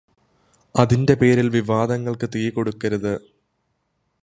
അതിന്റെ പേരിൽ വിവാദങ്ങൾക്ക് തീ കൊടുക്കരുത്.